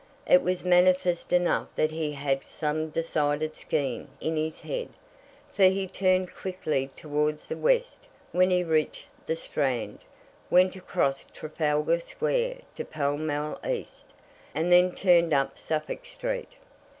It was manifest enough that he had some decided scheme in his head, for he turned quickly towards the West when he reached the Strand, went across Trafalgar Square to Pall Mall East, and then turned up Suffolk Street.